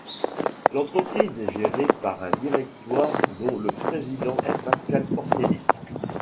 L'entreprise est gérée par un directoire dont le président est Pascal Portelli.